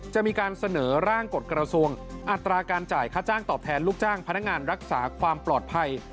จะมีการเสนอร่างกฎกระทรวงอัตราการจ่ายค่าจ้างตอบแทนลูกจ้างพนักงานรักษาความปลอดภัย